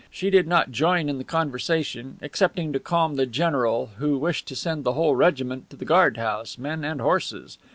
She did not join in the conversation, excepting to calm the general, who wished to send the whole regiment to the guard house, men and horses.